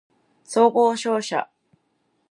総合商社